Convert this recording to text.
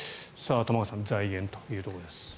玉川さん財源というところ。